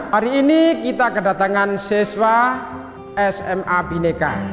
hari ini kita kedatangan seswa sma bhinneka